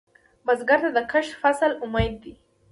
بزګر ته د کښت فصل امید دی